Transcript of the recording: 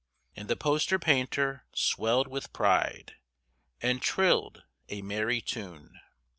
And the poster painter swelled with pride And trilled a merry tune.